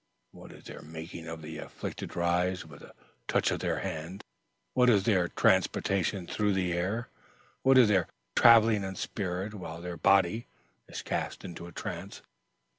What is their making of the afflicted rise with a touch of their hand? What is their transportation through the air? What is their travelling in spirit, while their body is cast into a trance?